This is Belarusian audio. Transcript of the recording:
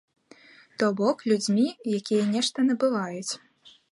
То бок, людзьмі, якія нешта набываюць.